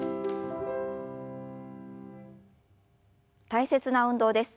大切な運動です。